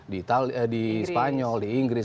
di spanyol di inggris